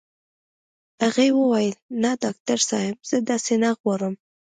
هغې وويل نه ډاکټر صاحب زه داسې نه غواړم.